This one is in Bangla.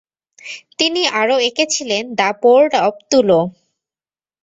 তিনি আরো এঁকেছিলেন দ্য পোর্ট অব তুলোঁ।